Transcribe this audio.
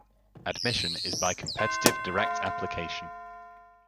Admission is by competitive direct application.